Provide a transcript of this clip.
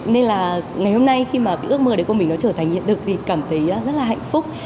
nên là ngày hôm nay khi mà ước mơ của mình trở thành hiện thực thì cảm thấy rất là hạnh phúc